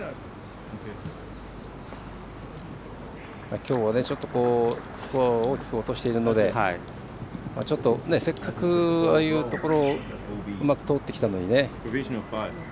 きょうは、ちょっとスコアを大きく落としているのでせっかく、ああいうところをうまく通ってきたのにね。